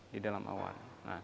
di dalam awan